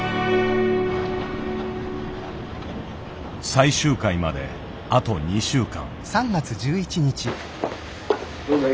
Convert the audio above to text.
最終回まであと２週間。